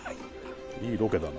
いいロケだな。